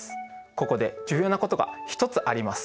ここで重要なことが一つあります。